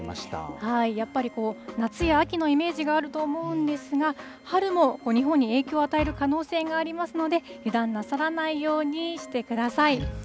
やっぱり夏や秋のイメージがあると思うんですが、春も日本に影響を与える可能性がありますので、油断なさらないようにしてください。